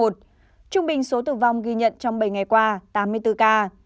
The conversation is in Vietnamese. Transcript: trung bình số tử vong ghi nhận trong bảy ngày qua tám mươi bốn ca